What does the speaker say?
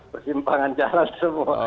persimpangan jalan semua